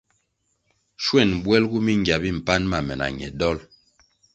Schwen bwelgu mingya mi mpan ma me na ñe dol.